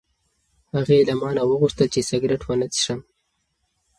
هغې له ما نه وغوښتل چې سګرټ ونه څښم.